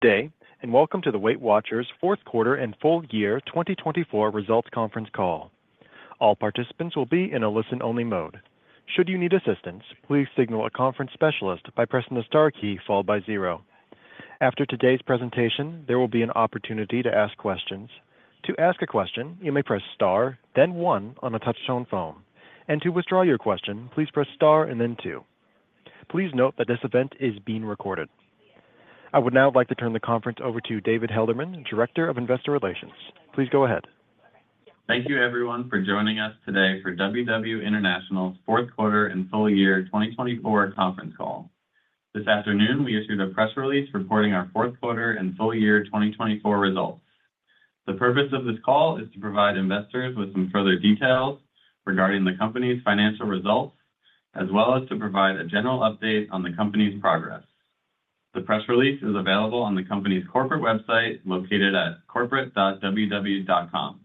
Good day, and welcome to the Weight Watchers' fourth quarter and full year 2024 results conference call. All participants will be in a listen-only mode. Should you need assistance, please signal a conference specialist by pressing the star key followed by zero. After today's presentation, there will be an opportunity to ask questions. To ask a question, you may press star, then one on a touch-tone phone. To withdraw your question, please press star and then two. Please note that this event is being recorded. I would now like to turn the conference over to David Helderman, Director of Investor Relations. Please go ahead. Thank you, everyone, for joining us today for WW International's fourth quarter and full year 2024 conference call. This afternoon, we issued a press release reporting our fourth quarter and full year 2024 results. The purpose of this call is to provide investors with some further details regarding the company's financial results, as well as to provide a general update on the company's progress. The press release is available on the company's corporate website located at corporate.ww.com.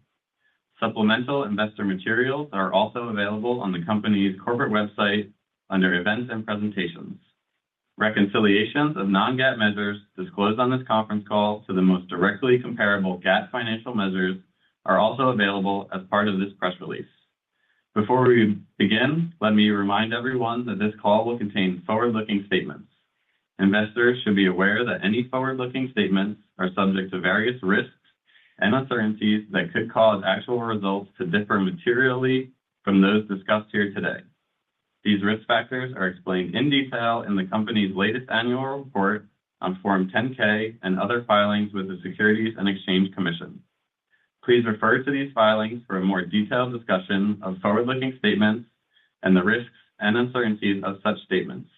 Supplemental investor materials are also available on the company's corporate website under Events and Presentations. Reconciliations of non-GAAP measures disclosed on this conference call to the most directly comparable GAAP financial measures are also available as part of this press release. Before we begin, let me remind everyone that this call will contain forward-looking statements. Investors should be aware that any forward-looking statements are subject to various risks and uncertainties that could cause actual results to differ materially from those discussed here today. These risk factors are explained in detail in the company's latest annual report on Form 10-K and other filings with the Securities and Exchange Commission. Please refer to these filings for a more detailed discussion of forward-looking statements and the risks and uncertainties of such statements.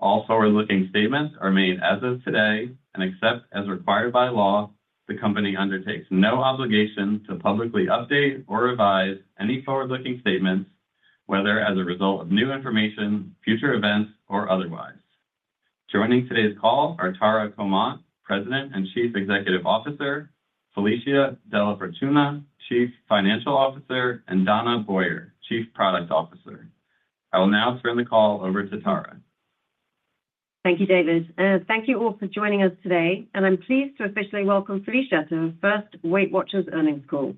All forward-looking statements are made as of today and except as required by law. The company undertakes no obligation to publicly update or revise any forward-looking statements, whether as a result of new information, future events, or otherwise. Joining today's call are Tara Comonte, President and Chief Executive Officer; Felicia DellaFortuna, Chief Financial Officer; and Donna Boyer, Chief Product Officer. I will now turn the call over to Tara. Thank you, David. Thank you all for joining us today. I'm pleased to officially welcome Felicia to her first Weight Watchers earnings call.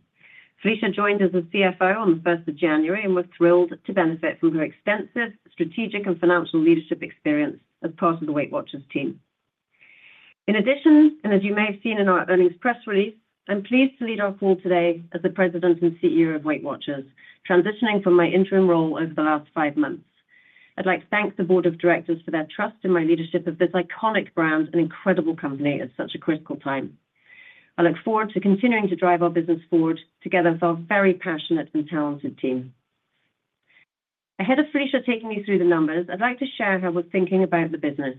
Felicia joined as CFO on the 1st of January and was thrilled to benefit from her extensive strategic and financial leadership experience as part of the Weight Watchers team. In addition, as you may have seen in our earnings press release, I'm pleased to lead our call today as the President and CEO of Weight Watchers, transitioning from my interim role over the last five months. I would like to thank the Board of Directors for their trust in my leadership of this iconic brand and incredible company at such a critical time. I look forward to continuing to drive our business forward together with our very passionate and talented team. Ahead of Felicia taking you through the numbers, I'd like to share how we're thinking about the business,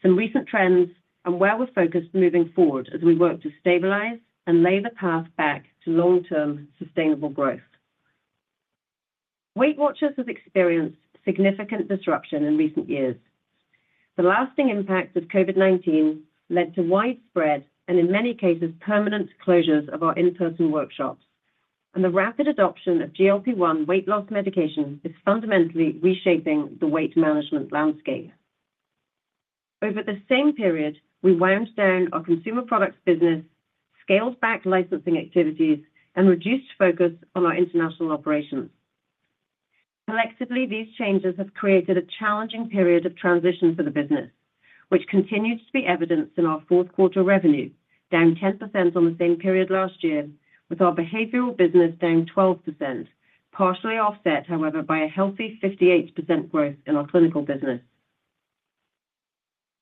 some recent trends, and where we're focused moving forward as we work to stabilize and lay the path back to long-term sustainable growth. Weight Watchers has experienced significant disruption in recent years. The lasting impact of COVID-19 led to widespread and, in many cases, permanent closures of our in-person workshops. The rapid adoption of GLP-1 weight loss medication is fundamentally reshaping the weight management landscape. Over the same period, we wound down our consumer products business, scaled back licensing activities, and reduced focus on our international operations. Collectively, these changes have created a challenging period of transition for the business, which continues to be evidenced in our fourth quarter revenue, down 10% on the same period last year, with our behavioral business down 12%, partially offset, however, by a healthy 58% growth in our clinical business.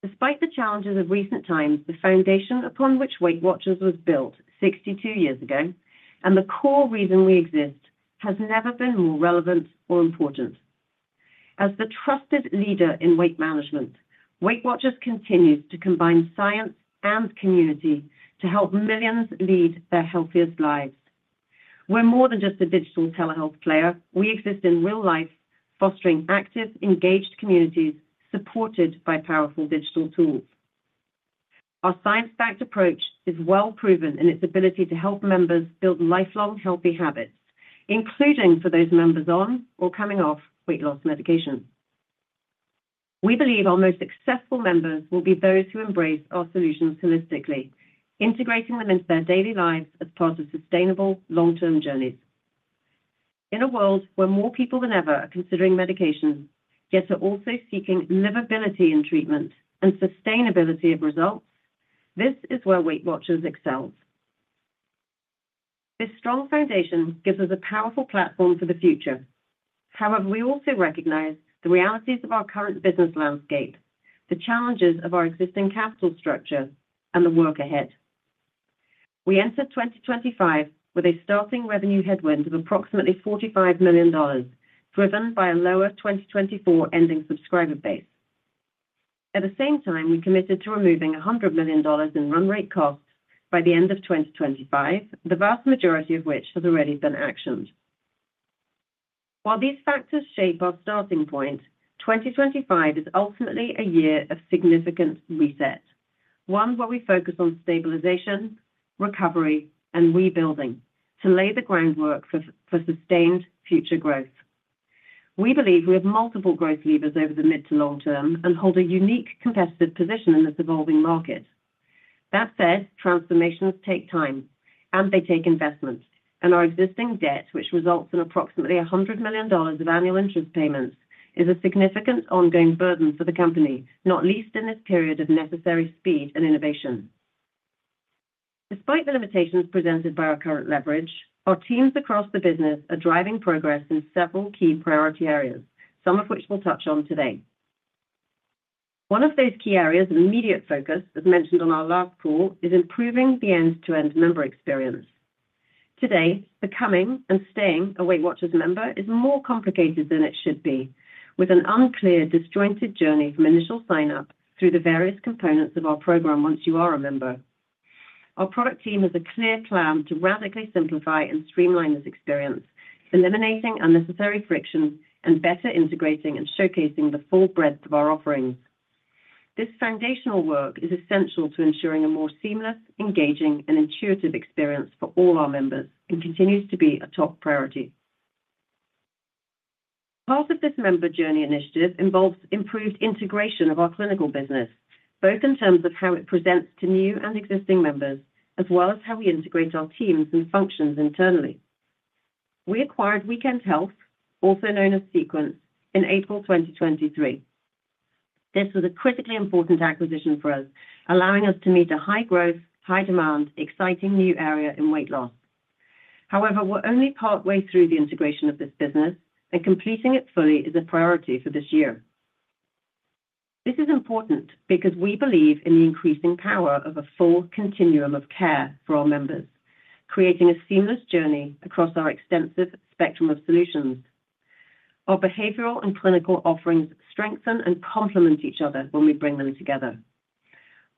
Despite the challenges of recent times, the foundation upon which Weight Watchers was built 62 years ago and the core reason we exist has never been more relevant or important. As the trusted leader in weight management, Weight Watchers continues to combine science and community to help millions lead their healthiest lives. We're more than just a digital telehealth player. We exist in real life, fostering active, engaged communities supported by powerful digital tools. Our science-backed approach is well proven in its ability to help members build lifelong healthy habits, including for those members on or coming off weight loss medication. We believe our most successful members will be those who embrace our solutions holistically, integrating them into their daily lives as part of sustainable long-term journeys. In a world where more people than ever are considering medication, yet are also seeking livability in treatment and sustainability of results, this is where Weight Watchers excels. This strong foundation gives us a powerful platform for the future. However, we also recognize the realities of our current business landscape, the challenges of our existing capital structure, and the work ahead. We enter 2025 with a starting revenue headwind of approximately $45 million, driven by a lower 2024 ending subscriber base. At the same time, we committed to removing $100 million in run rate costs by the end of 2025, the vast majority of which has already been actioned. While these factors shape our starting point, 2025 is ultimately a year of significant reset, one where we focus on stabilization, recovery, and rebuilding to lay the groundwork for sustained future growth. We believe we have multiple growth levers over the mid to long term and hold a unique competitive position in this evolving market. That said, transformations take time, and they take investment. Our existing debt, which results in approximately $100 million of annual interest payments, is a significant ongoing burden for the company, not least in this period of necessary speed and innovation. Despite the limitations presented by our current leverage, our teams across the business are driving progress in several key priority areas, some of which we'll touch on today. One of those key areas of immediate focus, as mentioned on our last call, is improving the end-to-end member experience. Today, becoming and staying a Weight Watchers member is more complicated than it should be, with an unclear, disjointed journey from initial sign-up through the various components of our program once you are a member. Our product team has a clear plan to radically simplify and streamline this experience, eliminating unnecessary friction and better integrating and showcasing the full breadth of our offerings. This foundational work is essential to ensuring a more seamless, engaging, and intuitive experience for all our members and continues to be a top priority. Part of this member journey initiative involves improved integration of our clinical business, both in terms of how it presents to new and existing members, as well as how we integrate our teams and functions internally. We acquired Weekend Health, also known as Sequence, in April 2023. This was a critically important acquisition for us, allowing us to meet a high-growth, high-demand, exciting new area in weight loss. However, we're only partway through the integration of this business, and completing it fully is a priority for this year. This is important because we believe in the increasing power of a full continuum of care for our members, creating a seamless journey across our extensive spectrum of solutions. Our behavioral and clinical offerings strengthen and complement each other when we bring them together.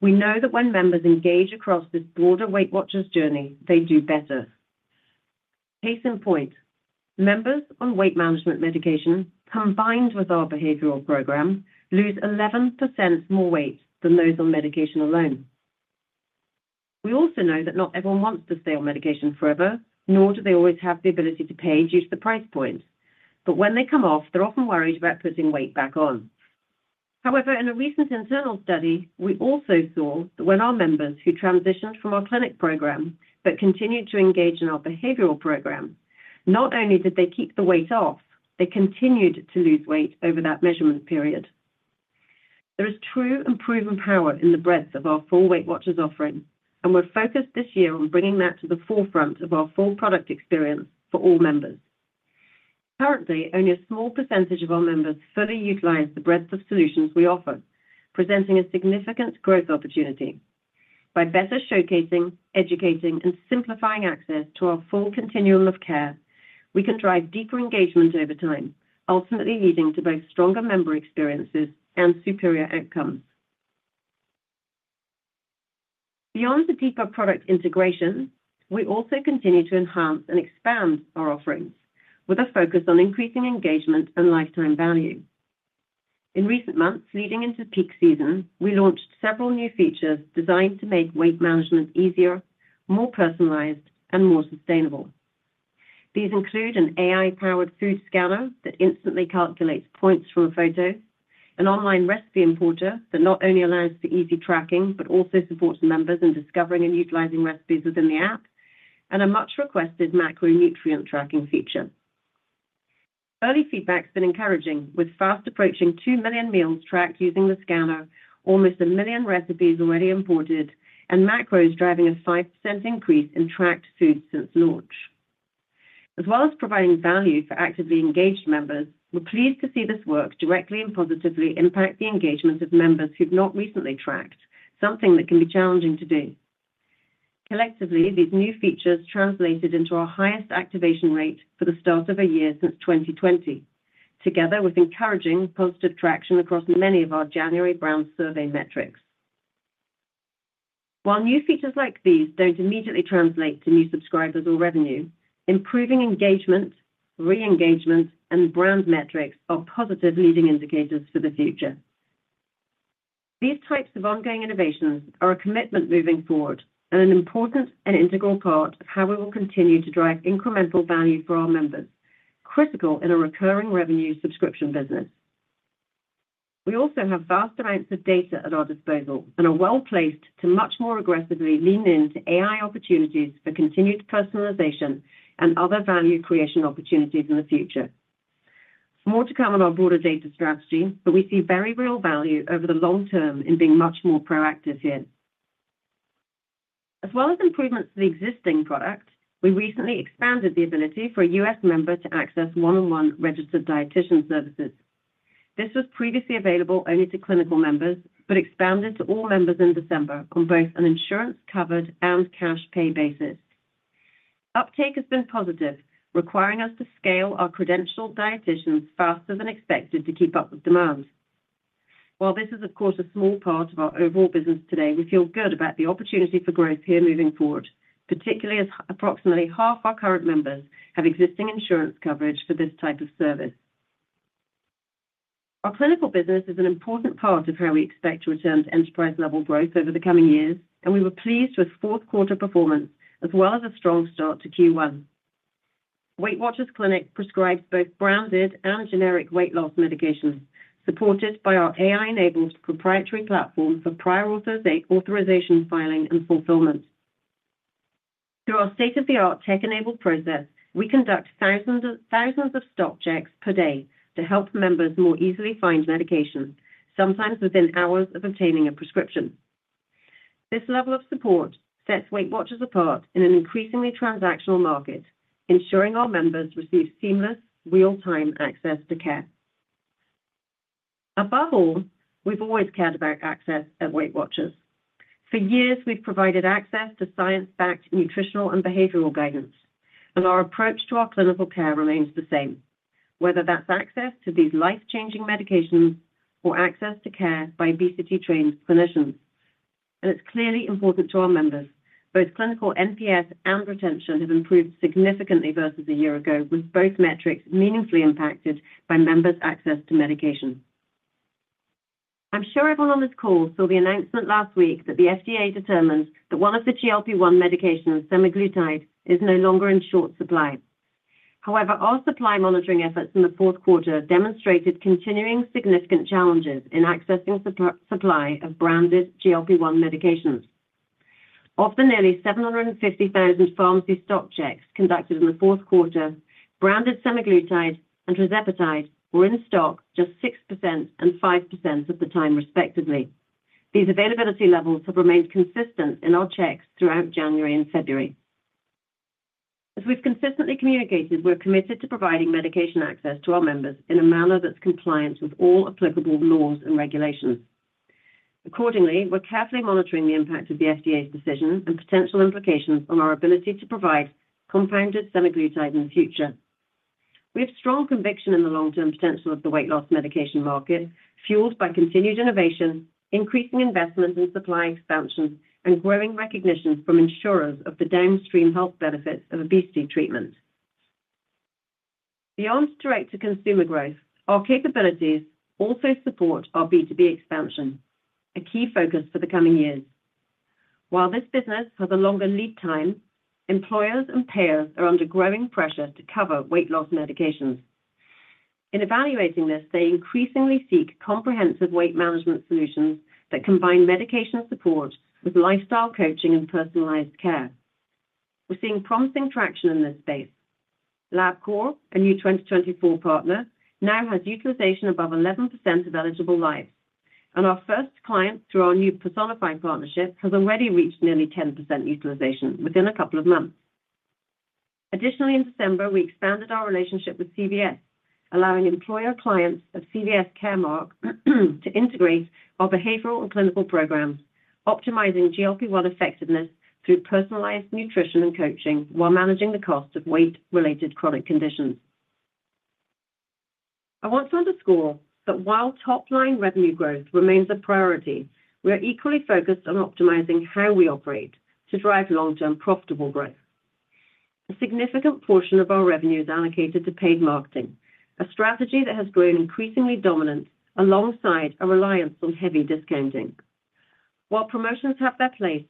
We know that when members engage across this broader Weight Watchers journey, they do better. Case in point, members on weight management medication, combined with our behavioral program, lose 11% more weight than those on medication alone. We also know that not everyone wants to stay on medication forever, nor do they always have the ability to pay due to the price point. When they come off, they're often worried about putting weight back on. However, in a recent internal study, we also saw that when our members who transitioned from our clinic program but continued to engage in our behavioral program, not only did they keep the weight off, they continued to lose weight over that measurement period. There is true and proven power in the breadth of our full Weight Watchers offering, and we're focused this year on bringing that to the forefront of our full product experience for all members. Currently, only a small percentage of our members fully utilize the breadth of solutions we offer, presenting a significant growth opportunity. By better showcasing, educating, and simplifying access to our full continuum of care, we can drive deeper engagement over time, ultimately leading to both stronger member experiences and superior outcomes. Beyond the deeper product integration, we also continue to enhance and expand our offerings with a focus on increasing engagement and lifetime value. In recent months, leading into peak season, we launched several new features designed to make weight management easier, more personalized, and more sustainable. These include an AI-powered food scanner that instantly calculates points from a photo, an online recipe importer that not only allows for easy tracking but also supports members in discovering and utilizing recipes within the app, and a much-requested macronutrient tracking feature. Early feedback has been encouraging, with fast-approaching 2 million meals tracked using the scanner, almost a million recipes already imported, and macros driving a 5% increase in tracked foods since launch. As well as providing value for actively engaged members, we're pleased to see this work directly and positively impact the engagement of members who've not recently tracked, something that can be challenging to do. Collectively, these new features translated into our highest activation rate for the start of a year since 2020, together with encouraging positive traction across many of our January brand survey metrics. While new features like these don't immediately translate to new subscribers or revenue, improving engagement, re-engagement, and brand metrics are positive leading indicators for the future. These types of ongoing innovations are a commitment moving forward and an important and integral part of how we will continue to drive incremental value for our members, critical in a recurring revenue subscription business. We also have vast amounts of data at our disposal and are well placed to much more aggressively lean into AI opportunities for continued personalization and other value creation opportunities in the future. More to come on our broader data strategy, but we see very real value over the long term in being much more proactive here. As well as improvements to the existing product, we recently expanded the ability for a US member to access one-on-one registered dietitian services. This was previously available only to clinical members but expanded to all members in December on both an insurance-covered and cash-pay basis. Uptake has been positive, requiring us to scale our credentialed dietitians faster than expected to keep up with demand. While this is, of course, a small part of our overall business today, we feel good about the opportunity for growth here moving forward, particularly as approximately half our current members have existing insurance coverage for this type of service. Our clinical business is an important part of how we expect to return to enterprise-level growth over the coming years, and we were pleased with fourth-quarter performance as well as a strong start to Q1. Weight Watchers Clinic prescribes both branded and generic weight loss medications, supported by our AI-enabled proprietary platform for prior authorization filing and fulfillment. Through our state-of-the-art tech-enabled process, we conduct thousands of stop checks per day to help members more easily find medication, sometimes within hours of obtaining a prescription. This level of support sets Weight Watchers apart in an increasingly transactional market, ensuring our members receive seamless, real-time access to care. Above all, we've always cared about access at Weight Watchers. For years, we've provided access to science-backed nutritional and behavioral guidance, and our approach to our clinical care remains the same, whether that's access to these life-changing medications or access to care by obesity-trained clinicians. It is clearly important to our members. Both clinical NPS and retention have improved significantly versus a year ago, with both metrics meaningfully impacted by members' access to medication. I'm sure everyone on this call saw the announcement last week that the FDA determined that one of the GLP-1 medications, semaglutide, is no longer in short supply. However, our supply monitoring efforts in the fourth quarter demonstrated continuing significant challenges in accessing supply of branded GLP-1 medications. Of the nearly 750,000 pharmacy stop checks conducted in the fourth quarter, branded semaglutide and tirzepatide were in stock just 6% and 5% of the time, respectively. These availability levels have remained consistent in our checks throughout January and February. As we've consistently communicated, we're committed to providing medication access to our members in a manner that's compliant with all applicable laws and regulations. Accordingly, we're carefully monitoring the impact of the FDA's decision and potential implications on our ability to provide compounded semaglutide in the future. We have strong conviction in the long-term potential of the weight loss medication market, fueled by continued innovation, increasing investment in supply expansion, and growing recognition from insurers of the downstream health benefits of obesity treatment. Beyond direct-to-consumer growth, our capabilities also support our B2B expansion, a key focus for the coming years. While this business has a longer lead time, employers and payers are under growing pressure to cover weight loss medications. In evaluating this, they increasingly seek comprehensive weight management solutions that combine medication support with lifestyle coaching and personalized care. We're seeing promising traction in this space. LabCorp, a new 2024 partner, now has utilization above 11% of eligible lives, and our first client through our new personified partnership has already reached nearly 10% utilization within a couple of months. Additionally, in December, we expanded our relationship with CVS, allowing employer clients of CVS Caremark to integrate our behavioral and clinical programs, optimizing GLP-1 effectiveness through personalized nutrition and coaching while managing the cost of weight-related chronic conditions. I want to underscore that while top-line revenue growth remains a priority, we are equally focused on optimizing how we operate to drive long-term profitable growth. A significant portion of our revenue is allocated to paid marketing, a strategy that has grown increasingly dominant alongside a reliance on heavy discounting. While promotions have their place,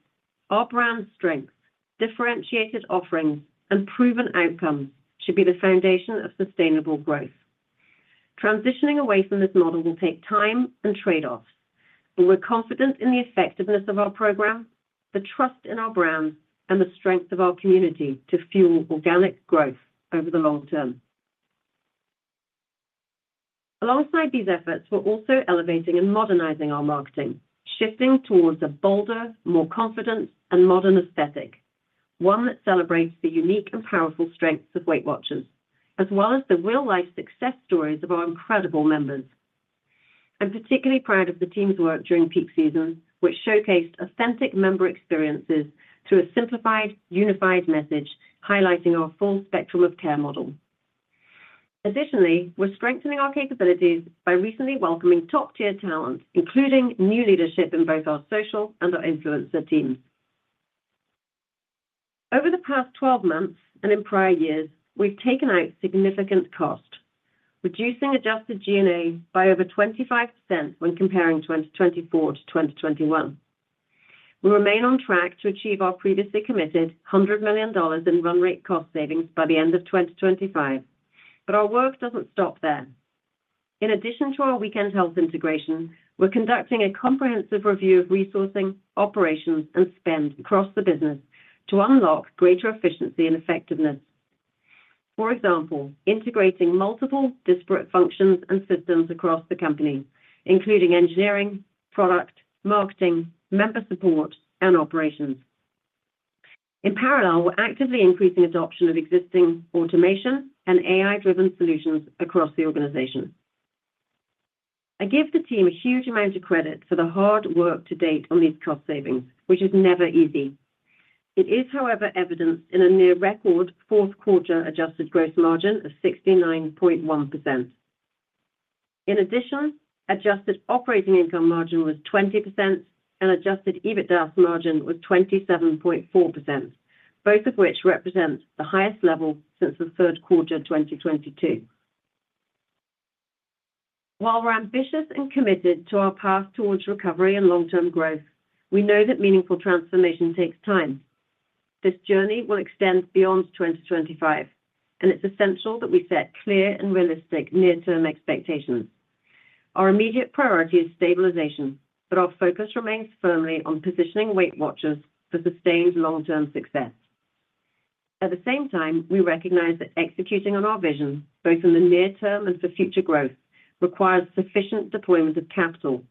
our brand strengths, differentiated offerings, and proven outcomes should be the foundation of sustainable growth. Transitioning away from this model will take time and trade-offs, but we're confident in the effectiveness of our program, the trust in our brand, and the strength of our community to fuel organic growth over the long term. Alongside these efforts, we're also elevating and modernizing our marketing, shifting towards a bolder, more confident, and modern aesthetic, one that celebrates the unique and powerful strengths of Weight Watchers, as well as the real-life success stories of our incredible members. I'm particularly proud of the team's work during peak season, which showcased authentic member experiences through a simplified, unified message highlighting our full spectrum of care model. Additionally, we're strengthening our capabilities by recently welcoming top-tier talent, including new leadership in both our social and our influencer teams. Over the past 12 months and in prior years, we've taken out significant cost, reducing adjusted G&A by over 25% when comparing 2024 to 2021. We remain on track to achieve our previously committed $100 million in run rate cost savings by the end of 2025, but our work does not stop there. In addition to our Weekend Health integration, we're conducting a comprehensive review of resourcing, operations, and spend across the business to unlock greater efficiency and effectiveness. For example, integrating multiple disparate functions and systems across the company, including engineering, product, marketing, member support, and operations. In parallel, we're actively increasing adoption of existing automation and AI-driven solutions across the organization. I give the team a huge amount of credit for the hard work to date on these cost savings, which is never easy. It is, however, evidenced in a near-record fourth-quarter adjusted gross margin of 69.1%. In addition, adjusted operating income margin was 20%, and adjusted EBITDA margin was 27.4%, both of which represent the highest level since the third quarter of 2022. While we're ambitious and committed to our path towards recovery and long-term growth, we know that meaningful transformation takes time. This journey will extend beyond 2025, and it's essential that we set clear and realistic near-term expectations. Our immediate priority is stabilization, but our focus remains firmly on positioning Weight Watchers for sustained long-term success. At the same time, we recognize that executing on our vision, both in the near term and for future growth, requires sufficient deployment of capital.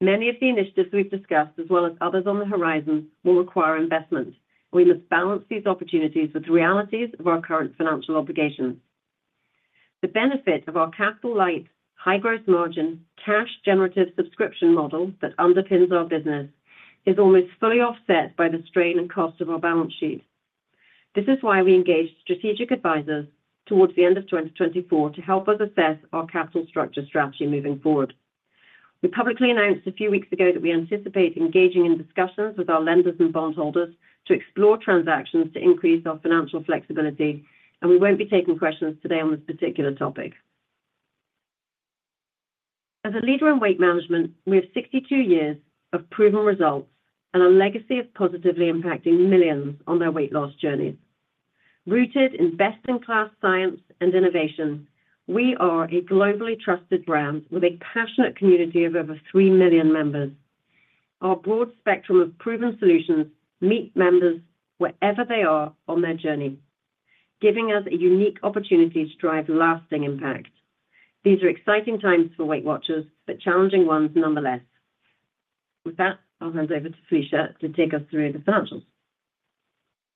Many of the initiatives we've discussed, as well as others on the horizon, will require investment, and we must balance these opportunities with the realities of our current financial obligations. The benefit of our capital-light, high-growth margin, cash-generative subscription model that underpins our business is almost fully offset by the strain and cost of our balance sheet. This is why we engaged strategic advisors towards the end of 2024 to help us assess our capital structure strategy moving forward. We publicly announced a few weeks ago that we anticipate engaging in discussions with our lenders and bondholders to explore transactions to increase our financial flexibility, and we won't be taking questions today on this particular topic. As a leader in weight management, we have 62 years of proven results and a legacy of positively impacting millions on their weight loss journeys. Rooted in best-in-class science and innovation, we are a globally trusted brand with a passionate community of over 3 million members. Our broad spectrum of proven solutions meets members wherever they are on their journey, giving us a unique opportunity to drive lasting impact. These are exciting times for Weight Watchers, but challenging ones nonetheless. With that, I'll hand over to Felicia to take us through the financials.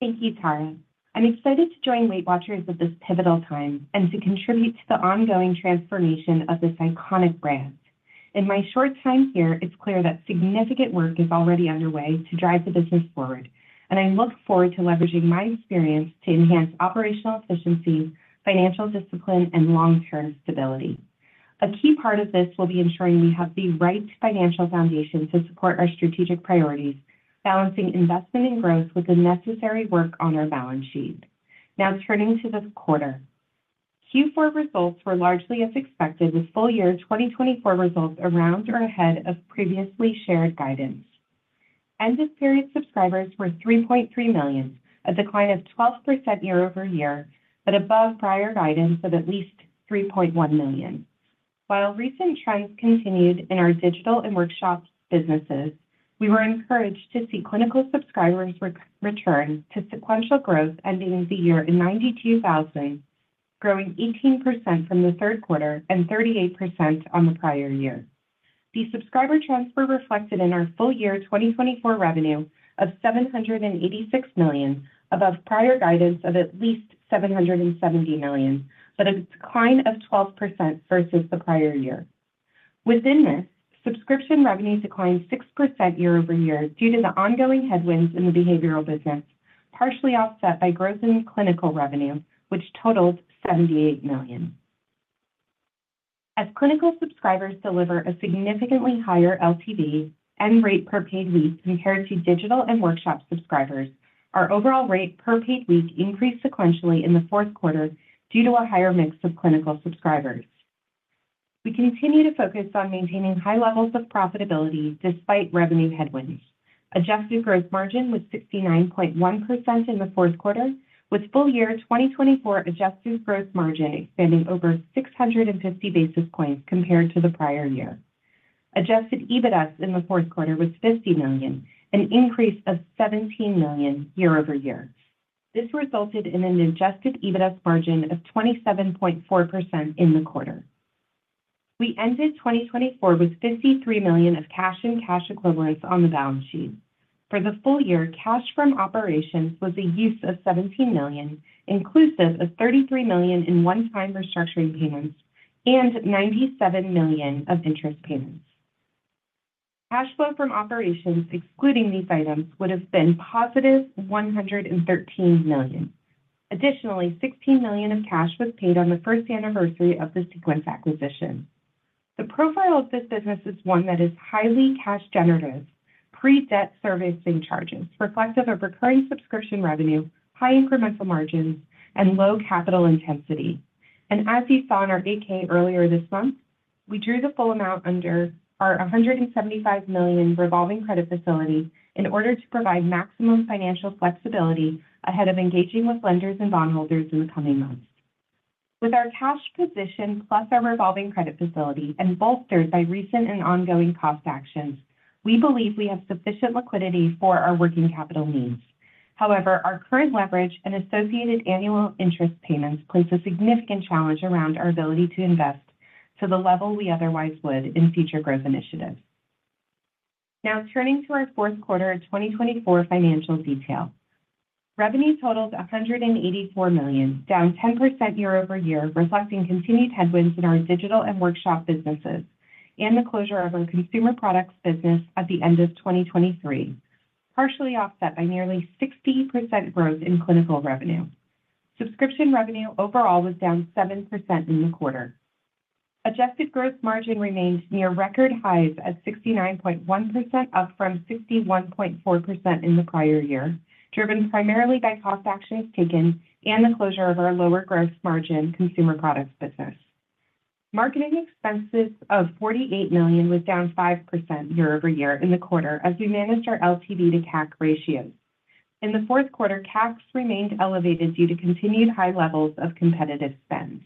Thank you, Tara. I'm excited to join Weight Watchers at this pivotal time and to contribute to the ongoing transformation of this iconic brand. In my short time here, it's clear that significant work is already underway to drive the business forward, and I look forward to leveraging my experience to enhance operational efficiency, financial discipline, and long-term stability. A key part of this will be ensuring we have the right financial foundation to support our strategic priorities, balancing investment and growth with the necessary work on our balance sheet. Now, turning to the quarter, Q4 results were largely as expected, with full-year 2024 results around or ahead of previously shared guidance. End-of-period subscribers were 3.3 million, a decline of 12% year-over-year, but above prior guidance of at least 3.1 million. While recent trends continued in our digital and workshop businesses, we were encouraged to see clinical subscribers return to sequential growth, ending the year at 92,000, growing 18% from the third quarter and 38% on the prior year. The subscriber transfer reflected in our full-year 2024 revenue of $786 million, above prior guidance of at least $770 million, but a decline of 12% versus the prior year. Within this, subscription revenue declined 6% year-over-year due to the ongoing headwinds in the behavioral business, partially offset by growth in clinical revenue, which totaled $78 million. As clinical subscribers deliver a significantly higher LTV and rate per paid week compared to digital and workshop subscribers, our overall rate per paid week increased sequentially in the fourth quarter due to a higher mix of clinical subscribers. We continue to focus on maintaining high levels of profitability despite revenue headwinds. Adjusted gross margin was 69.1% in the fourth quarter, with full-year 2024 adjusted gross margin expanding over 650 basis points compared to the prior year. Adjusted EBITDA in the fourth quarter was $50 million, an increase of $17 million year-over-year. This resulted in an adjusted EBITDA margin of 27.4% in the quarter. We ended 2024 with $53 million of cash and cash equivalents on the balance sheet. For the full year, cash from operations was a use of $17 million, inclusive of $33 million in one-time restructuring payments and $97 million of interest payments. Cash flow from operations, excluding these items, would have been positive $113 million. Additionally, $16 million of cash was paid on the first anniversary of the Sequence acquisition. The profile of this business is one that is highly cash-generative, pre-debt servicing charges, reflective of recurring subscription revenue, high incremental margins, and low capital intensity. As you saw in our 10-K earlier this month, we drew the full amount under our $175 million revolving credit facility in order to provide maximum financial flexibility ahead of engaging with lenders and bondholders in the coming months. With our cash position plus our revolving credit facility and bolstered by recent and ongoing cost actions, we believe we have sufficient liquidity for our working capital needs. However, our current leverage and associated annual interest payments place a significant challenge around our ability to invest to the level we otherwise would in future growth initiatives. Now, turning to our fourth quarter of 2024 financial detail. Revenue totaled $184 million, down 10% year-over-year, reflecting continued headwinds in our digital and workshop businesses and the closure of our consumer products business at the end of 2023, partially offset by nearly 60% growth in clinical revenue. Subscription revenue overall was down 7% in the quarter. Adjusted gross margin remained near record highs at 69.1%, up from 51.4% in the prior year, driven primarily by cost actions taken and the closure of our lower gross margin consumer products business. Marketing expenses of $48 million was down 5% year-over-year in the quarter as we managed our LTV to CAC ratios. In the fourth quarter, CACs remained elevated due to continued high levels of competitive spend.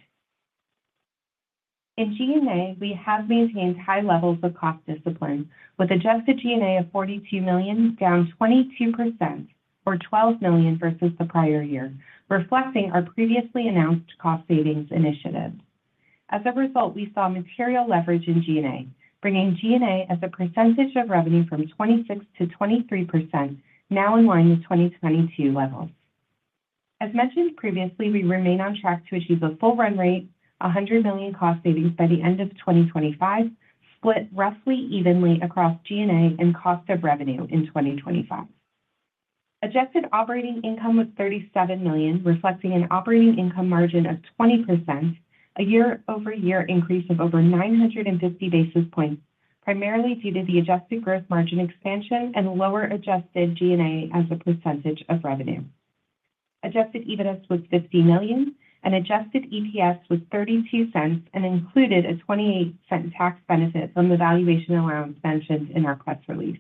In G&A, we have maintained high levels of cost discipline, with adjusted G&A of $42 million down 22%, or $12 million versus the prior year, reflecting our previously announced cost savings initiative. As a result, we saw material leverage in G&A, bringing G&A as a percentage of revenue from 26% to 23%, now in line with 2022 levels. As mentioned previously, we remain on track to achieve a full run rate, $100 million cost savings by the end of 2025, split roughly evenly across G&A and cost of revenue in 2025. Adjusted operating income was $37 million, reflecting an operating income margin of 20%, a year-over-year increase of over 950 basis points, primarily due to the adjusted gross margin expansion and lower adjusted G&A as a percentage of revenue. Adjusted EBITDA was $50 million, and adjusted EPS was $0.32 and included a $0.28 tax benefit from the valuation allowance mentioned in our press release.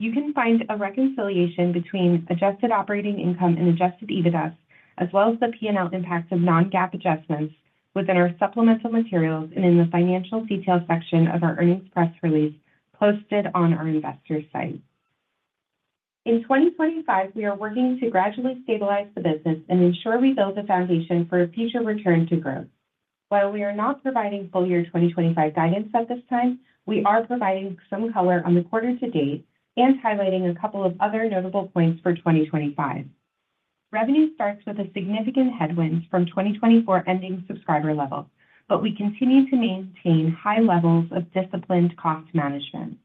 You can find a reconciliation between adjusted operating income and adjusted EBITDA, as well as the P&L impact of non-GAAP adjustments, within our supplemental materials and in the financial detail section of our earnings press release posted on our investor site. In 2025, we are working to gradually stabilize the business and ensure we build a foundation for a future return to growth. While we are not providing full-year 2025 guidance at this time, we are providing some color on the quarter-to-date and highlighting a couple of other notable points for 2025. Revenue starts with a significant headwind from 2024 ending subscriber levels, but we continue to maintain high levels of disciplined cost management.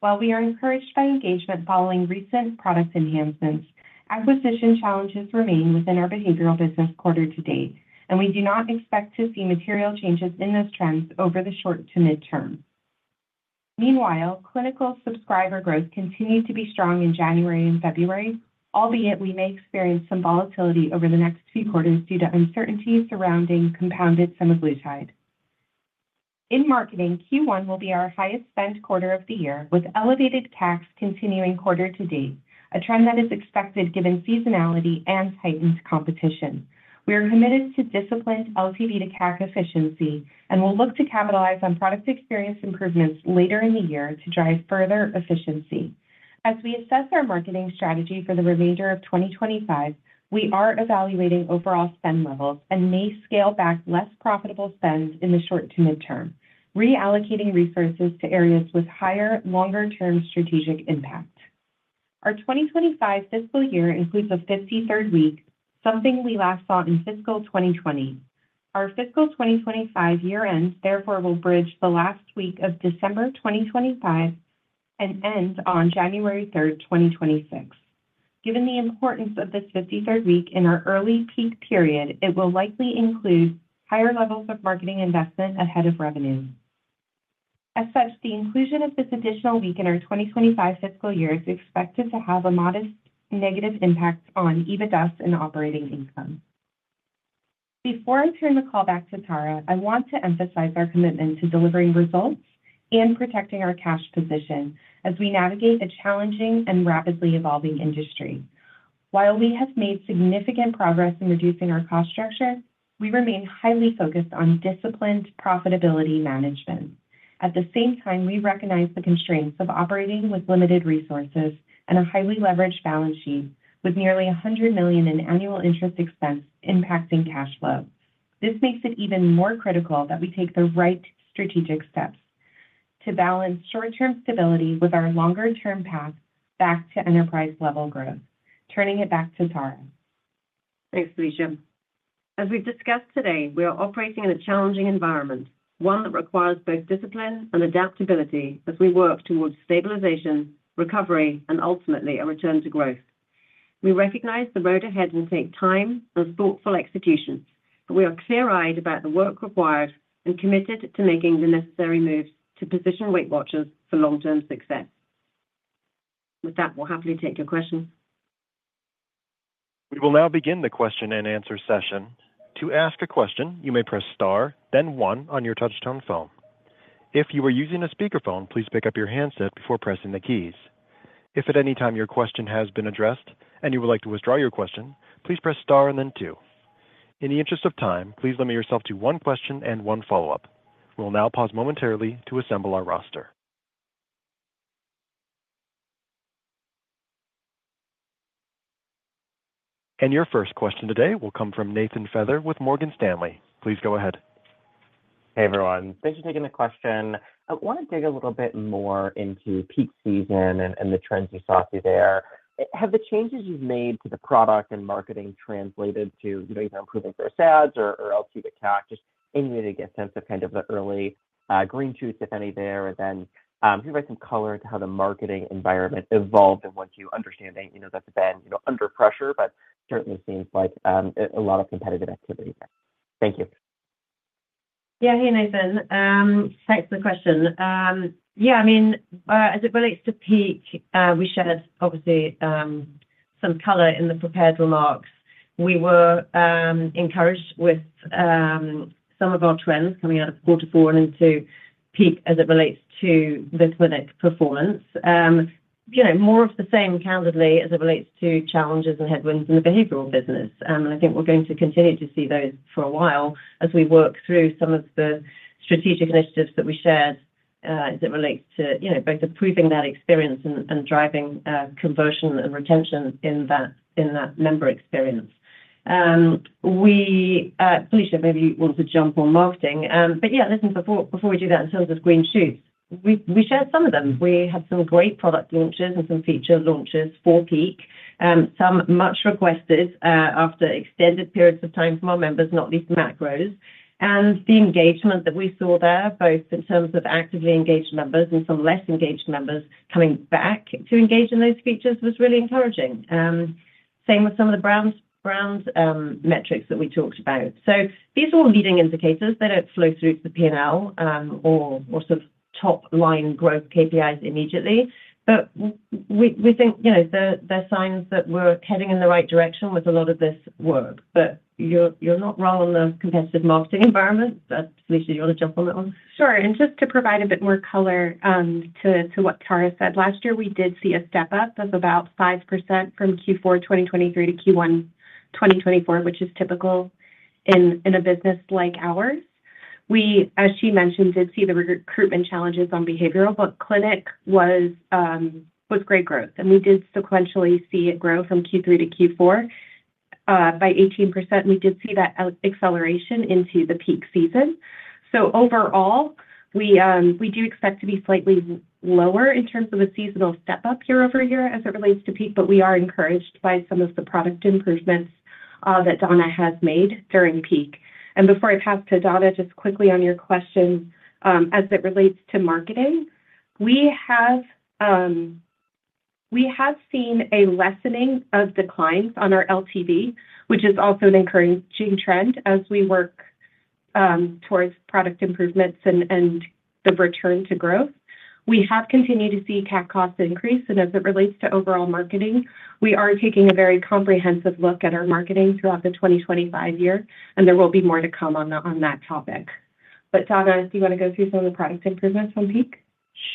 While we are encouraged by engagement following recent product enhancements, acquisition challenges remain within our behavioral business quarter-to-date, and we do not expect to see material changes in those trends over the short to midterm. Meanwhile, clinical subscriber growth continued to be strong in January and February, albeit we may experience some volatility over the next few quarters due to uncertainty surrounding compounded semaglutide. In marketing, Q1 will be our highest spend quarter of the year, with elevated CACs continuing quarter-to-date, a trend that is expected given seasonality and heightened competition. We are committed to disciplined LTV to CAC efficiency and will look to capitalize on product experience improvements later in the year to drive further efficiency. As we assess our marketing strategy for the remainder of 2025, we are evaluating overall spend levels and may scale back less profitable spends in the short to midterm, reallocating resources to areas with higher longer-term strategic impact. Our 2025 fiscal year includes a 53rd week, something we last saw in fiscal 2020. Our fiscal 2025 year-end, therefore, will bridge the last week of December 2025 and end on January 3rd, 2026. Given the importance of this 53rd week in our early peak period, it will likely include higher levels of marketing investment ahead of revenue. As such, the inclusion of this additional week in our 2025 fiscal year is expected to have a modest negative impact on EBITDA and operating income. Before I turn the call back to Tara, I want to emphasize our commitment to delivering results and protecting our cash position as we navigate a challenging and rapidly evolving industry. While we have made significant progress in reducing our cost structure, we remain highly focused on disciplined profitability management. At the same time, we recognize the constraints of operating with limited resources and a highly leveraged balance sheet, with nearly $100 million in annual interest expense impacting cash flow. This makes it even more critical that we take the right strategic steps to balance short-term stability with our longer-term path back to enterprise-level growth. Turning it back to Tara. Thanks, Felicia. As we've discussed today, we are operating in a challenging environment, one that requires both discipline and adaptability as we work towards stabilization, recovery, and ultimately a return to growth. We recognize the road ahead and take time and thoughtful execution, but we are clear-eyed about the work required and committed to making the necessary moves to position Weight Watchers for long-term success. With that, we'll happily take your questions. We will now begin the question and answer session. To ask a question, you may press Star, then one on your touch-tone phone. If you are using a speakerphone, please pick up your handset before pressing the keys. If at any time your question has been addressed and you would like to withdraw your question, please press Star and then two. In the interest of time, please limit yourself to one question and one follow-up. We'll now pause momentarily to assemble our roster. Your first question today will come from Nathan Feather with Morgan Stanley. Please go ahead. Hey, everyone. Thanks for taking the question. I want to dig a little bit more into peak season and the trends you saw through there. Have the changes you've made to the product and marketing translated to either improving for sales or LTV to CAC? Just any way to get a sense of kind of the early green shoots, if any, there? Can you provide some color into how the marketing environment evolved and what you understand that's been under pressure, but certainly seems like a lot of competitive activity there? Thank you. Yeah. Hey, Nathan. Thanks for the question. Yeah. I mean, as it relates to peak, we shared, obviously, some color in the prepared remarks. We were encouraged with some of our trends coming out of quarter four and into peak as it relates to this week's performance. More of the same, candidly, as it relates to challenges and headwinds in the behavioral business. I think we're going to continue to see those for a while as we work through some of the strategic initiatives that we shared as it relates to both improving that experience and driving conversion and retention in that member experience. Felicia, maybe you want to jump on marketing. Yeah, listen, before we do that, in terms of green shoots, we shared some of them. We had some great product launches and some feature launches for peak. Some much requested after extended periods of time from our members, not least macros. The engagement that we saw there, both in terms of actively engaged members and some less engaged members coming back to engage in those features, was really encouraging. Same with some of the brand metrics that we talked about. These are all leading indicators. They do not flow through to the P&L or sort of top-line growth KPIs immediately. We think they are signs that we are heading in the right direction with a lot of this work. You are not wrong on the competitive marketing environment. Felicia, do you want to jump on that one? Sure. Just to provide a bit more color to what Tara said, last year, we did see a step up of about 5% from Q4 2023 to Q1 2024, which is typical in a business like ours. We, as she mentioned, did see the recruitment challenges on behavioral, but clinic was great growth. We did sequentially see it grow from Q3 to Q4 by 18%. We did see that acceleration into the peak season. Overall, we do expect to be slightly lower in terms of a seasonal step up year-over-year as it relates to peak, but we are encouraged by some of the product improvements that Donna has made during peak. Before I pass to Donna, just quickly on your question, as it relates to marketing, we have seen a lessening of declines on our LTV, which is also an encouraging trend as we work towards product improvements and the return to growth. We have continued to see CAC costs increase. As it relates to overall marketing, we are taking a very comprehensive look at our marketing throughout the 2025 year, and there will be more to come on that topic. Donna, do you want to go through some of the product improvements on peak?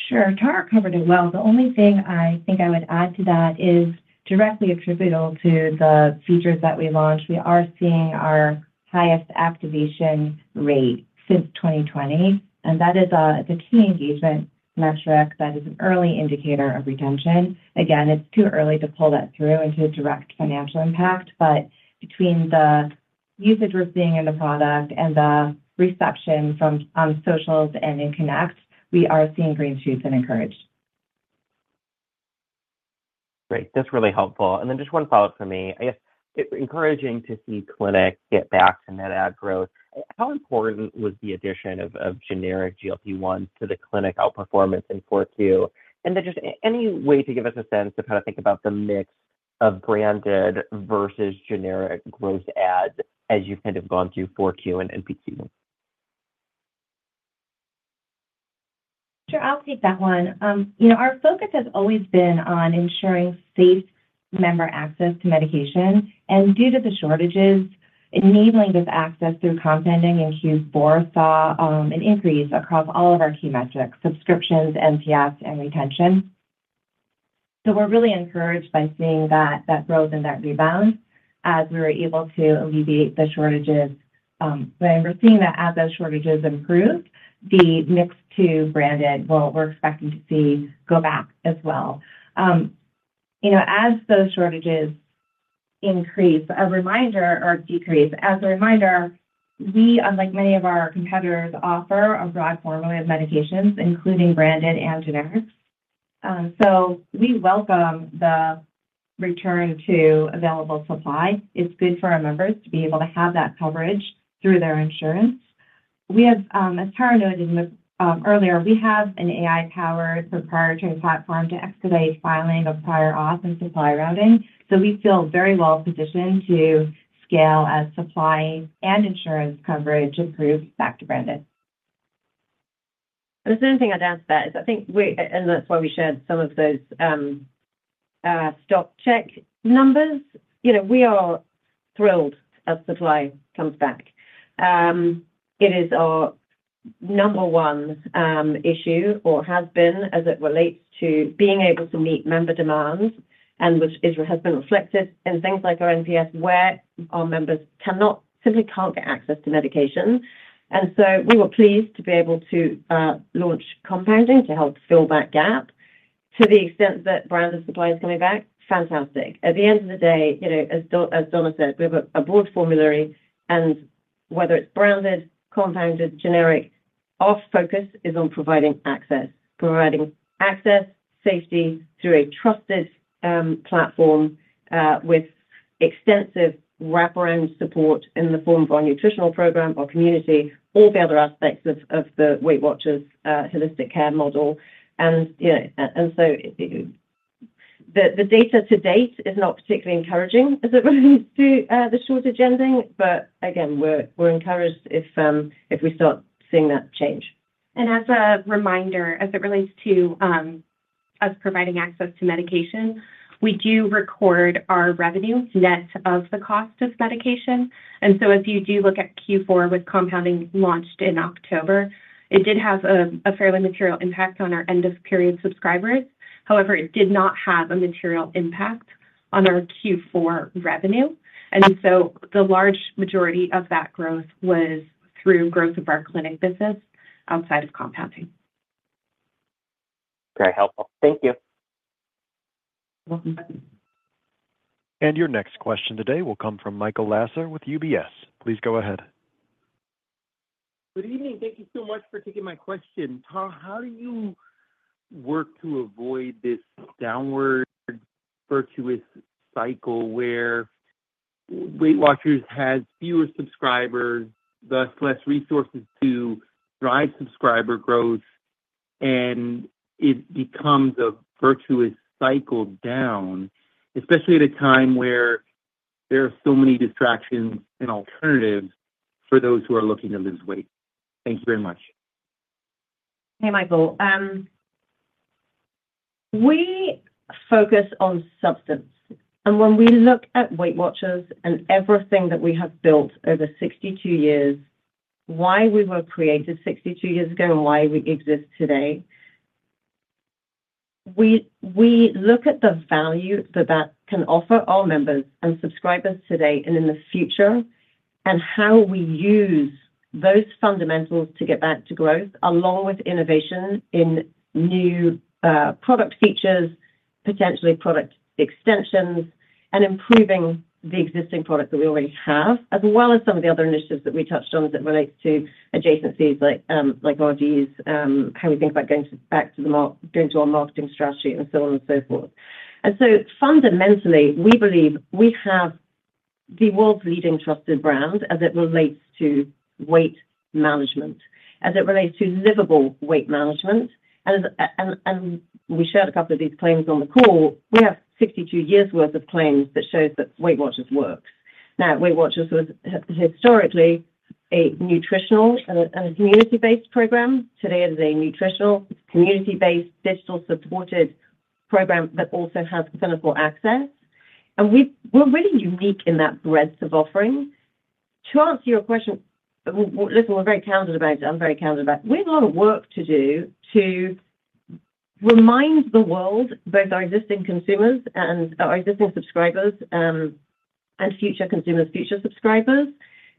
Sure. Tara covered it well. The only thing I think I would add to that is directly attributable to the features that we launched. We are seeing our highest activation rate since 2020. That is a key engagement metric that is an early indicator of retention. Again, it's too early to pull that through into direct financial impact, but between the usage we're seeing in the product and the reception from socials and in Connect, we are seeing green shoots and encouraged. Great. That's really helpful. Just one follow-up for me. I guess it's encouraging to see clinic get back to net add growth. How important was the addition of generic GLP-1 to the clinic outperformance in 4Q? Any way to give us a sense of how to think about the mix of branded versus generic growth ads as you've kind of gone through 4Q and MPQ? Sure. I'll take that one. Our focus has always been on ensuring safe member access to medication. Due to the shortages, enabling this access through compounding in Q4 saw an increase across all of our key metrics, subscriptions, NPS, and retention. We are really encouraged by seeing that growth and that rebound as we were able to alleviate the shortages. We are seeing that as those shortages improve, the mix to branded, well, we are expecting to see go back as well. As those shortages increase, a reminder or decrease. As a reminder, we, unlike many of our competitors, offer a broad formula of medications, including branded and generics. We welcome the return to available supply. It is good for our members to be able to have that coverage through their insurance. As Tara noted earlier, we have an AI-powered proprietary platform to expedite filing of prior auth and supply routing. We feel very well positioned to scale as supply and insurance coverage improves back to branded. There's another thing I'd add to that is I think, and that's why we shared some of those stock check numbers, we are thrilled as supply comes back. It is our number one issue or has been as it relates to being able to meet member demands, which has been reflected in things like our NPS, where our members simply can't get access to medication. We were pleased to be able to launch compounding to help fill that gap. To the extent that branded supply is coming back, fantastic. At the end of the day, as Donna said, we have a broad formulary, and whether it's branded, compounded, generic, our focus is on providing access, providing access, safety through a trusted platform with extensive wraparound support in the form of our nutritional program, our community, all the other aspects of the Weight Watchers holistic care model. The data to date is not particularly encouraging as it relates to the shortage ending, but again, we're encouraged if we start seeing that change. As a reminder, as it relates to us providing access to medication, we do record our revenue net of the cost of medication. If you do look at Q4 with compounding launched in October, it did have a fairly material impact on our end-of-period subscribers. However, it did not have a material impact on our Q4 revenue. The large majority of that growth was through growth of our clinic business outside of compounding. Very helpful. Thank you. You're welcome. Your next question today will come from Michael Lasser with UBS. Please go ahead. Good evening. Thank you so much for taking my question. Tara, how do you work to avoid this downward virtuous cycle where Weight Watchers has fewer subscribers, thus less resources to drive subscriber growth, and it becomes a virtuous cycle down, especially at a time where there are so many distractions and alternatives for those who are looking to lose weight? Thank you very much. Hey, Michael. We focus on substance. When we look at Weight Watchers and everything that we have built over 62 years, why we were created 62 years ago, and why we exist today, we look at the value that that can offer our members and subscribers today and in the future, and how we use those fundamentals to get back to growth, along with innovation in new product features, potentially product extensions, and improving the existing product that we already have, as well as some of the other initiatives that we touched on as it relates to adjacencies like RDs, how we think about going back to our marketing strategy, and so on and so forth. Fundamentally, we believe we have the world's leading trusted brand as it relates to weight management, as it relates to livable weight management. We shared a couple of these claims on the call. We have 62 years' worth of claims that show that Weight Watchers works. Weight Watchers was historically a nutritional and a community-based program. Today, it is a nutritional, community-based, digital-supported program that also has clinical access. We are really unique in that breadth of offering. To answer your question, listen, we are very candid about it. I am very candid about it. We have a lot of work to do to remind the world, both our existing consumers and our existing subscribers and future consumers, future subscribers,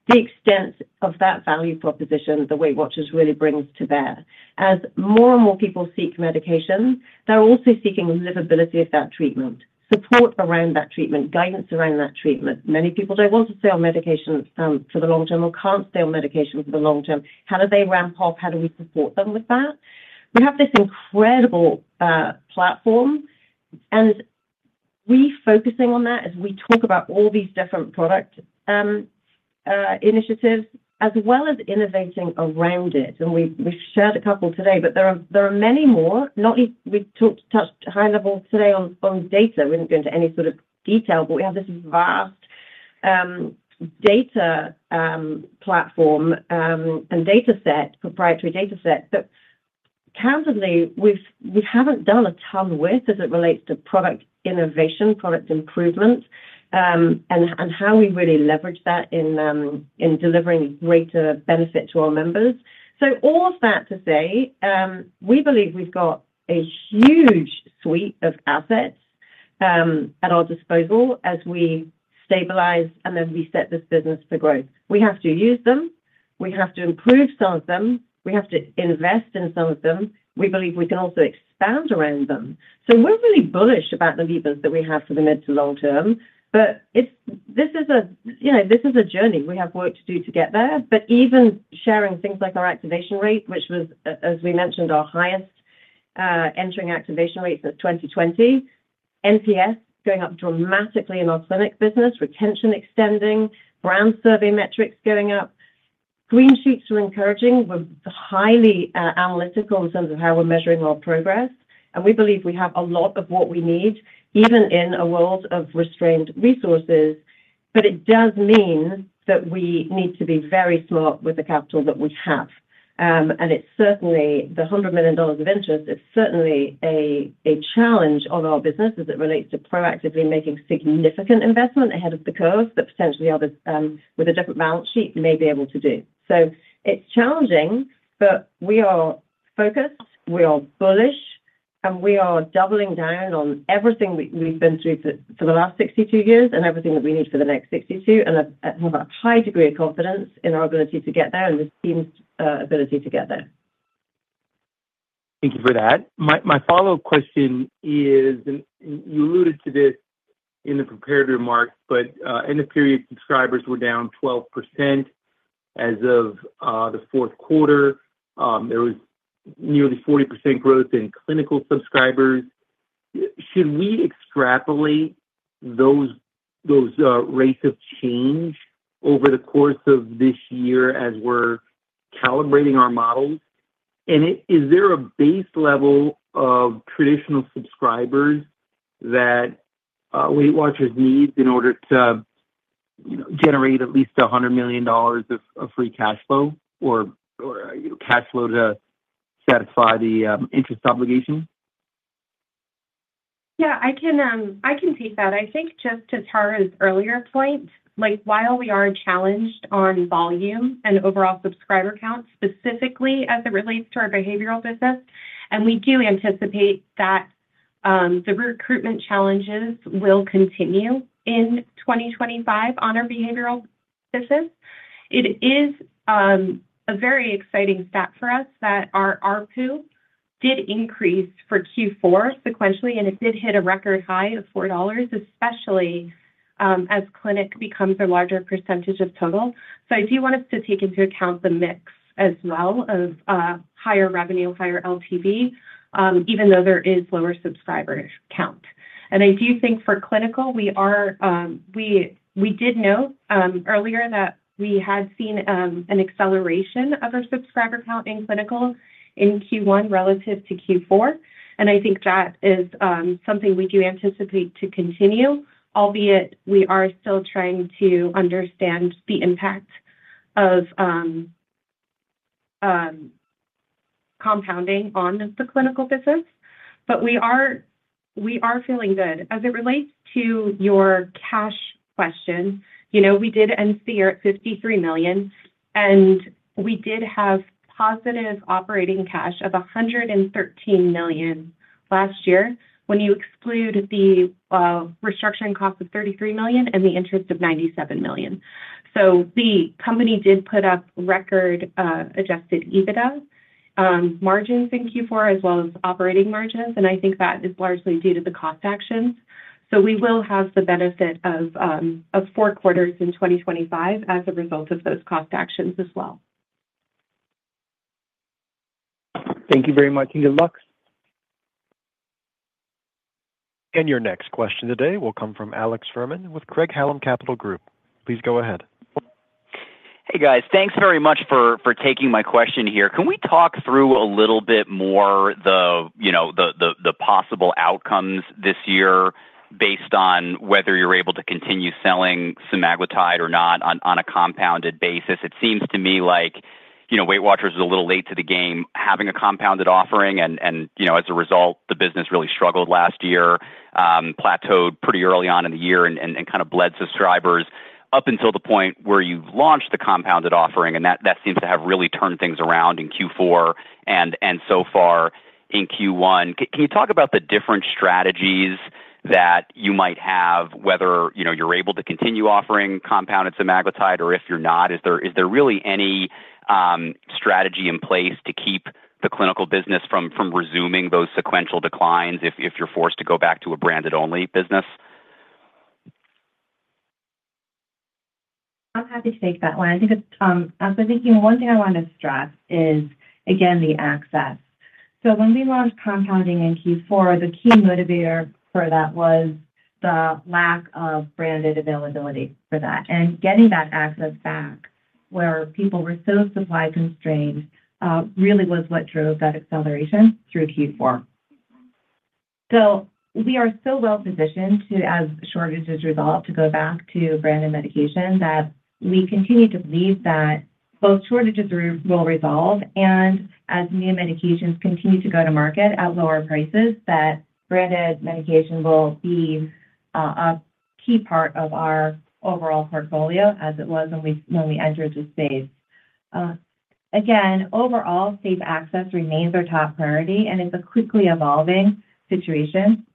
the extent of that value proposition that Weight Watchers really brings to bear. As more and more people seek medication, they are also seeking livability of that treatment, support around that treatment, guidance around that treatment. Many people do not want to stay on medication for the long term or cannot stay on medication for the long term. How do they ramp up? How do we support them with that? We have this incredible platform. We are focusing on that as we talk about all these different product initiatives, as well as innovating around it. We have shared a couple today, but there are many more. We touched high level today on data. We did not go into any sort of detail, but we have this vast data platform and data set, proprietary data set. Candidly, we have not done a ton with it as it relates to product innovation, product improvement, and how we really leverage that in delivering greater benefit to our members. All of that to say, we believe we have got a huge suite of assets at our disposal as we stabilize and as we set this business to growth. We have to use them. We have to improve some of them. We have to invest in some of them. We believe we can also expand around them. We are really bullish about the levers that we have for the mid to long term. This is a journey. We have work to do to get there. Even sharing things like our activation rate, which was, as we mentioned, our highest entering activation rate since 2020, NPS going up dramatically in our clinic business, retention extending, brand survey metrics going up. Green sheets were encouraging. We are highly analytical in terms of how we are measuring our progress. We believe we have a lot of what we need, even in a world of restrained resources. It does mean that we need to be very smart with the capital that we have. It is certainly the $100 million of interest. It's certainly a challenge of our business as it relates to proactively making significant investment ahead of the curve that potentially others with a different balance sheet may be able to do. It is challenging, but we are focused. We are bullish. We are doubling down on everything we've been through for the last 62 years and everything that we need for the next 62. I have a high degree of confidence in our ability to get there and the team's ability to get there. Thank you for that. My follow-up question is, and you alluded to this in the prepared remarks, but end-of-period subscribers were down 12% as of the fourth quarter. There was nearly 40% growth in clinical subscribers. Should we extrapolate those rates of change over the course of this year as we're calibrating our models? Is there a base level of traditional subscribers that Weight Watchers needs in order to generate at least $100 million of free cash flow or cash flow to satisfy the interest obligation? Yeah, I can take that. Just to Tara's earlier point, while we are challenged on volume and overall subscriber count, specifically as it relates to our behavioral business, we do anticipate that the recruitment challenges will continue in 2025 on our behavioral business. It is a very exciting stat for us that our RPU did increase for Q4 sequentially, and it did hit a record high of $4, especially as clinic becomes a larger percentage of total. I do want us to take into account the mix as well of higher revenue, higher LTV, even though there is lower subscriber count. I do think for clinical, we did note earlier that we had seen an acceleration of our subscriber count in clinical in Q1 relative to Q4. I think that is something we do anticipate to continue, albeit we are still trying to understand the impact of compounding on the clinical business. We are feeling good. As it relates to your cash question, we did end the year at $53 million, and we did have positive operating cash of $113 million last year when you exclude the restructuring cost of $33 million and the interest of $97 million. The company did put up record adjusted EBITDA margins in Q4 as well as operating margins. I think that is largely due to the cost actions. We will have the benefit of four quarters in 2025 as a result of those cost actions as well. Thank you very much. Good luck. Your next question today will come from Alex Fuhrman with Craig-Hallum Capital Group. Please go ahead. Hey, guys. Thanks very much for taking my question here. Can we talk through a little bit more the possible outcomes this year based on whether you're able to continue selling semaglutide or not on a compounded basis? It seems to me like Weight Watchers was a little late to the game having a compounded offering, and as a result, the business really struggled last year, plateaued pretty early on in the year, and kind of bled subscribers up until the point where you launched the compounded offering, and that seems to have really turned things around in Q4 and so far in Q1. Can you talk about the different strategies that you might have, whether you're able to continue offering compounded semaglutide or if you're not? Is there really any strategy in place to keep the clinical business from resuming those sequential declines if you're forced to go back to a branded-only business? I'm happy to take that one. I think as I'm thinking, one thing I want to stress is, again, the access. When we launched compounding in Q4, the key motivator for that was the lack of branded availability for that. Getting that access back where people were so supply constrained really was what drove that acceleration through Q4. We are so well positioned to, as shortages resolve, go back to branded medication. We continue to believe that both shortages will resolve, and as new medications continue to go to market at lower prices, branded medication will be a key part of our overall portfolio as it was when we entered the space. Again, overall, safe access remains our top priority, and it's a quickly evolving situation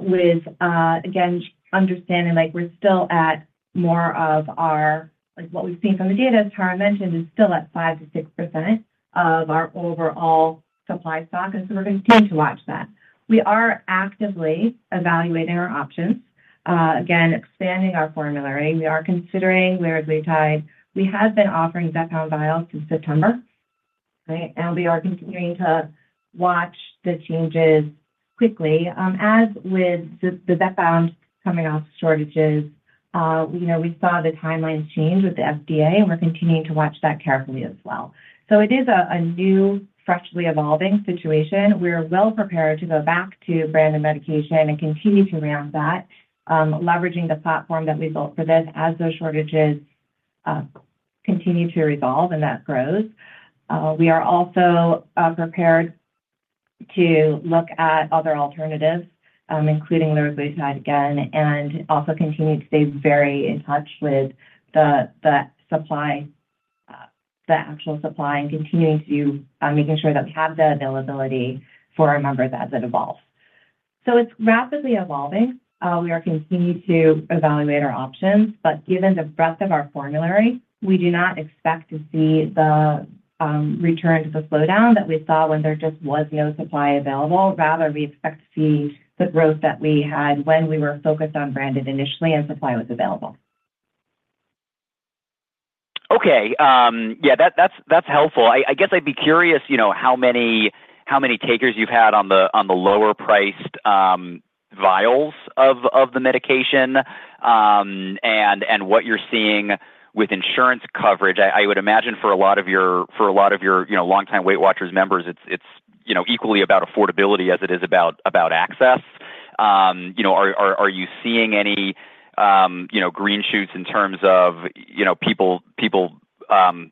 with, again, understanding we're still at more of our, what we've seen from the data, as Tara mentioned, is still at 5%-6% of our overall supply stock. We are going to continue to watch that. We are actively evaluating our options, again, expanding our formulary. We are considering Weight Watchers Clinic. We have been offering Zepbound vials since September, and we are continuing to watch the changes quickly. As with the Zepbound coming off shortages, we saw the timeline change with the FDA, and we're continuing to watch that carefully as well. It is a new, freshly evolving situation. We're well prepared to go back to branded medication and continue to ramp that, leveraging the platform that we built for this as those shortages continue to resolve and that grows. We are also prepared to look at other alternatives, including Wegovy again, and also continue to stay very in touch with the actual supply and continuing to be making sure that we have the availability for our members as it evolves. It is rapidly evolving. We are continuing to evaluate our options. Given the breadth of our formulary, we do not expect to see the return to the slowdown that we saw when there just was no supply available. Rather, we expect to see the growth that we had when we were focused on branded initially and supply was available. Okay. Yeah, that's helpful. I guess I'd be curious how many takers you've had on the lower-priced vials of the medication and what you're seeing with insurance coverage. I would imagine for a lot of your long-time Weight Watchers members, it's equally about affordability as it is about access. Are you seeing any green shoots in terms of people kind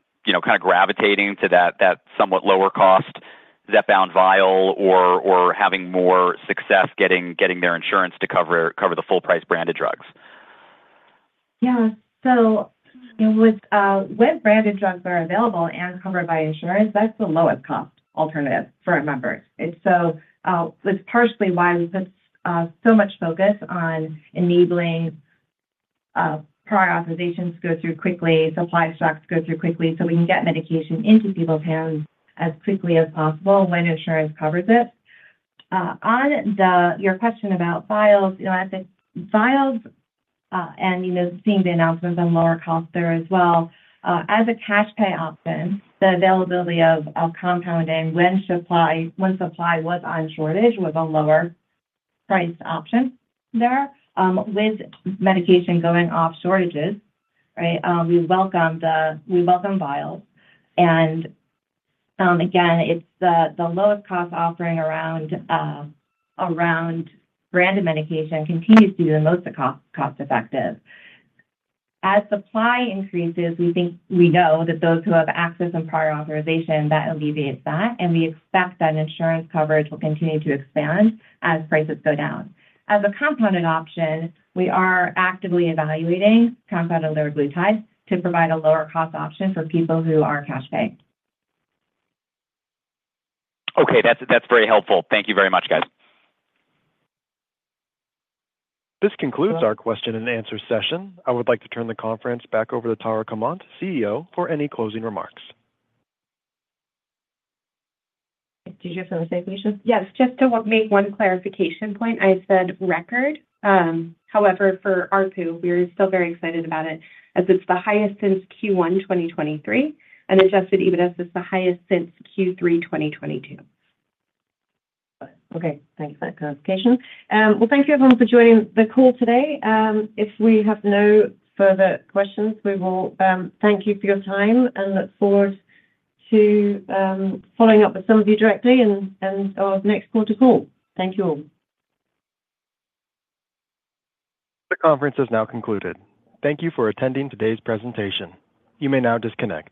of gravitating to that somewhat lower-cost Zepbound vial or having more success getting their insurance to cover the full-price branded drugs? Yeah. When branded drugs are available and covered by insurance, that's the lowest-cost alternative for our members. It is partially why we put so much focus on enabling prior authorizations to go through quickly, supply stocks to go through quickly so we can get medication into people's hands as quickly as possible when insurance covers it. On your question about vials, I think vials and seeing the announcements on lower cost there as well, as a cash pay option, the availability of compounding when supply was on shortage was a lower-priced option there. With medication going off shortages, right, we welcome vials. Again, the lowest-cost offering around branded medication continues to be the most cost-effective. As supply increases, we know that those who have access and prior authorization, that alleviates that. We expect that insurance coverage will continue to expand as prices go down. As a compounded option, we are actively evaluating compounded semaglutide to provide a lower-cost option for people who are cash pay. Okay. That is very helpful. Thank you very much, guys. This concludes our question and answer session. I would like to turn the conference back over to Tara Comonte, CEO, for any closing remarks. Did you hear from the same question? Yes. Just to make one clarification point. I said record. However, for RPU, we are still very excited about it as it is the highest since Q1 2023 and adjusted EBITDA is the highest since Q3 2022. Okay. Thanks for that clarification. Thank you everyone for joining the call today. If we have no further questions, we will thank you for your time and look forward to following up with some of you directly and our next quarter call. Thank you all. The conference is now concluded. Thank you for attending today's presentation. You may now disconnect.